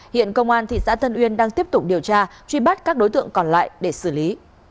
hiện công an thị xã tân uyên đang tiếp tục điều tra truy bắt các đối tượng còn lại để xử lý